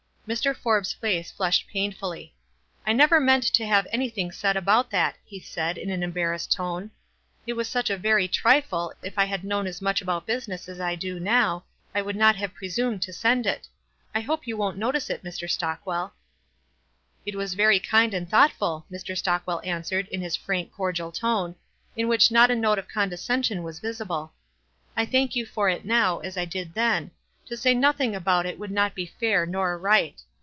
Mr. Forbes' face (lushed painfully. "I never meant to have anything said about that," he said, in an embarrassed tone. "It was such a very trifle, if I had known as much about business as I do now, I would not have presumed to send it. I hope you won't notice it, Mr. Stockwell." 25 386 WISE AND OTHERWISE. "It was very kind and thoughtful," Mi. Stockwell answered, in his frank, cordial tone*, in which not a note of condescension was visible. "I thank you for it now, as I did then — to say nothing about it would not be fair nor risrht.